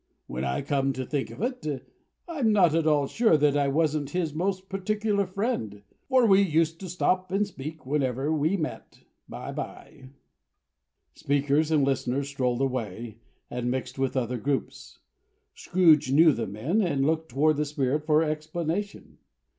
When I come to think of it, I'm not at all sure that I wasn't his most particular friend; for we used to stop and speak whenever we met. Bye, bye!" Speakers and listeners strolled away, and mixed with other groups. Scrooge knew the men, and looked toward the Spirit for explanation.